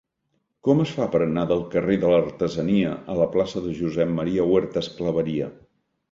Com es fa per anar del carrer de l'Artesania a la plaça de Josep Maria Huertas Claveria?